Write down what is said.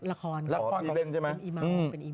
ละครเป็นอีเมา